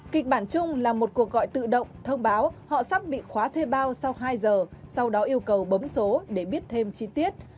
kịch bản chung là một cuộc gọi tự động thông báo họ sắp bị khóa thuê bao sau hai giờ sau đó yêu cầu bấm số để biết thêm chi tiết